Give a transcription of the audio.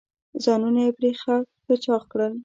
ځانونه یې پرې ښه چاغ کړل.